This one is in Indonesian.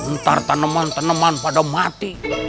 ntar taneman taneman pada mati